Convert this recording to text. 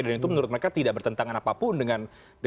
dan itu menurut mereka tidak bertentangan apapun dengan